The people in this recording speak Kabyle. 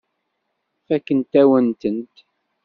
Fakkent-awen-tent.